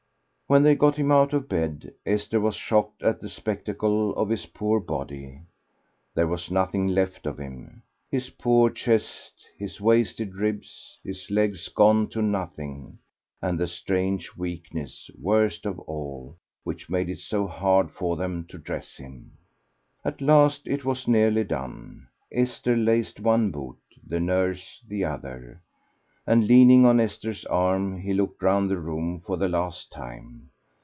When they got him out of bed, Esther was shocked at the spectacle of his poor body. There was nothing left of him. His poor chest, his wasted ribs, his legs gone to nothing, and the strange weakness, worst of all, which made it so hard for them to dress him. At last it was nearly done: Esther laced one boot, the nurse the other, and, leaning on Esther's arm, he looked round the room for the last time.